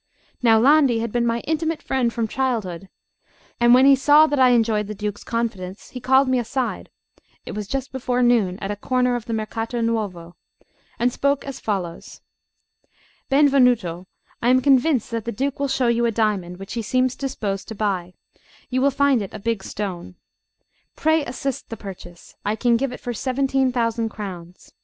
Now Landi had been my intimate friend from childhood, and when he saw that I enjoyed the Duke's confidence, he called me aside (it was just before noon at a corner of the Mercato Nuovo), and spoke as follows: "Benvenuto, I am convinced that the Duke will show you a diamond, which he seems disposed to buy; you will find it a big stone. Pray assist the purchase; I can give it for seventeen thousand crowns.